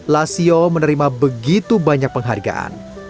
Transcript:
lasio menerima begitu banyak penghargaan